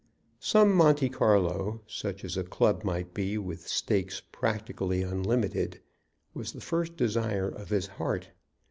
Some Monte Carlo, such as a club might be with stakes practically unlimited, was the first desire of his heart.